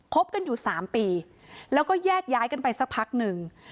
บกันอยู่๓ปีแล้วก็แยกย้ายกันไปสักพักหนึ่ง